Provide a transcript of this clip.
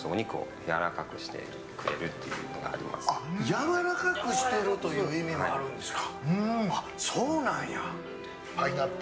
やわらかくしてるという意味もあるんですか。